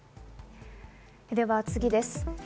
では次です。